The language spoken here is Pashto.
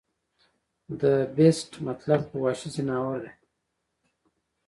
د The Beast مطلب خو وحشي ځناور دے